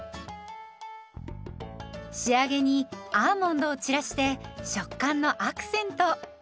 仕上げにアーモンドを散らして食感のアクセント。